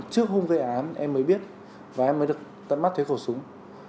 trước hôm gây án em mới biết và em mới được tận mắt thuế khẩu súng